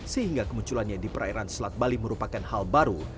sehingga kemunculannya di perairan selat bali merupakan hal baru